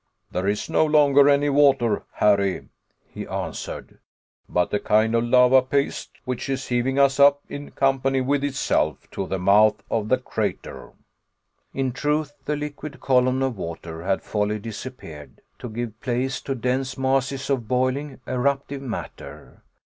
"There is no longer any water, Harry," he answered, "but a kind of lava paste, which is heaving us up, in company with itself, to the mouth of the crater." In truth, the liquid column of water had wholly disappeared to give place to dense masses of boiling eruptive matter.